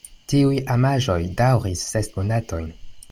Tiuj amaĵoj daŭris ses monatojn.